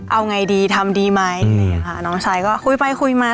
เอาไงดีทำดีไหมนี่ค่ะน้องชายก็คุยไปคุยมา